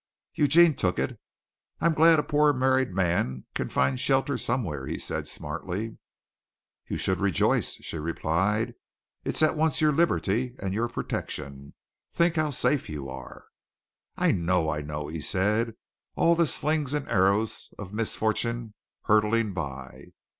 Eugene took it. "I'm glad a poor married man can find shelter somewhere," he said, smartly. "You should rejoice," she replied. "It's at once your liberty and your protection. Think how safe you are!" "I know, I know," he said. "All the slings and arrows of Miss Fortune hurtling by."